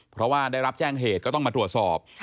เพราะว่าได้รับแจ้งเหตุก็ต้องมาตรวจสอบ